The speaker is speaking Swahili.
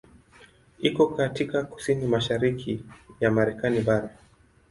Iko katika kusini-mashariki ya Marekani bara.